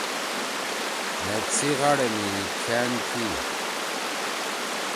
نھید سی غاڑے می کھأن تھی۔